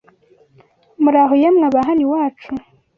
Muraho! Yemwe aba hano iwacu